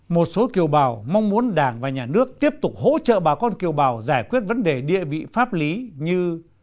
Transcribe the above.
một số kiều bào mong muốn đảng và nhà nước tiếp tục hỗ trợ bà con kiều bào giải quyết vấn đề địa vị pháp lý như